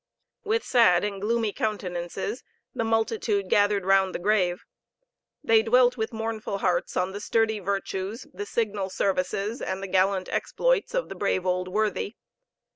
With sad and gloomy countenances the multitude gathered round the grave. They dwelt with mournful hearts on the sturdy virtues, the signal services, and the gallant exploits of the brave old worthy.